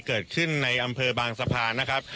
เกิดขึ้นในอำเภอบางสะพานนะครับ